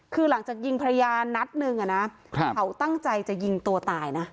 คือหลังจากยิงภรรยานัดหนึ่งเขาตั้งใจจะยิงตัวตายนะ